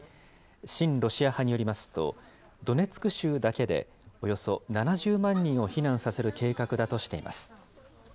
親ロシア派によりますと、ドネツク州だけでおよそ７０万人を避難させる計画だとしています。